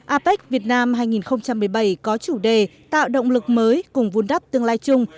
apec việt nam hai nghìn một mươi bảy có chủ đề tạo động lực mới cùng vun đắp tương lai chung